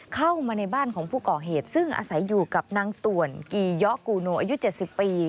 เข้ามาในบ้านของผู้ก่อเหตุซึ่งอาศัยอยู่กับนางต่วนกีเยาะกูโนอายุ๗๐ปี